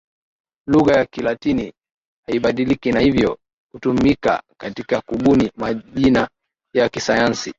Lugha ya Kilatini haibadiliki na hivyo hutumika katika kubuni majina ya kisayansi.